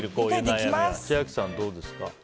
千秋さん、どうですか？